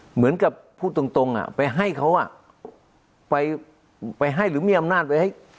เหมือนกับผู้ตรงตรงอ่ะไปให้เขาอ่ะไปไปให้หรือมีอำนาจไปให้